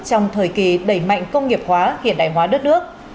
trong thời kỳ đẩy mạnh công nghiệp hóa hiện đại hóa đất nước